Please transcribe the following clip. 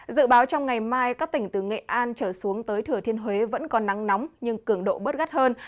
dự báo trong ngày mai các tỉnh từ nghệ an trở xuống tới thừa thiên huế vẫn có nắng nóng nhưng cường độ bớt gắt hơn